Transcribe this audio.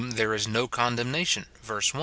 201 there is no condemnation, verse 1.